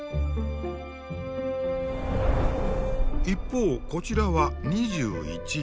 一方こちらは２１。